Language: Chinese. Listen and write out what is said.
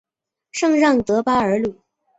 圣让德巴尔鲁。